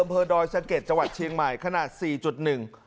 อำเภอดอยสะเก็ดจังหวัดเชียงใหม่ขนาดสี่จุดหนึ่ง